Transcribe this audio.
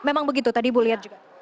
memang begitu tadi bu lihat juga